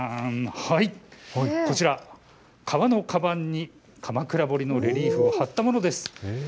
こちら、皮のかばんに鎌倉彫のレリーフを貼ったものです。